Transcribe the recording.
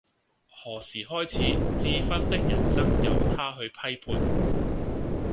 何時開始智勳的人生由他去批判